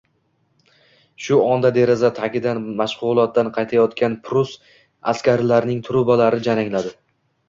Shu onda deraza tagidan mashg`ulotdan qaytayotgan pruss askarlarining trubalari jarangladi